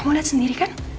kamu lihat sendiri kan